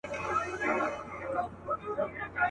زه به د غم تخم کرم ژوندی به یمه.